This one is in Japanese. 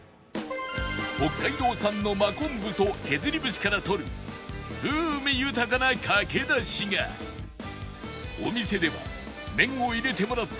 北海道産の真昆布と削り節からとる風味豊かなかけだしがお店では麺を入れてもらった